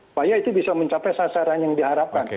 supaya itu bisa mencapai sasaran yang diharapkan